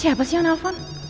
siapa sih yang nelfon